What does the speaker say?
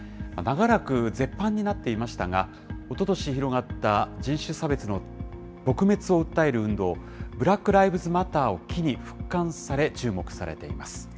長らく絶版になっていましたが、おととし広がった人種差別の撲滅を訴える運動、ブラック・ライブズ・マターを機に復刊され、注目されています。